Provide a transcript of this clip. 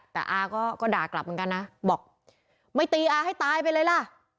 แต่อาก็ด่ากลับเหมือนกันนะบอกไม่ตีอาให้ตายไปเลยล่ะ